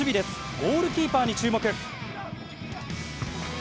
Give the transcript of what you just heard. ゴールキーパーに注目。